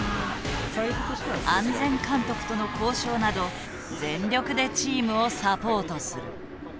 安全監督との交渉など全力でチームをサポートする。